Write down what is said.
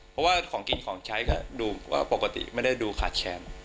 เพราะว่าของกินของใช้ก็ดูปกติไม่ได้ดูขาดแค้น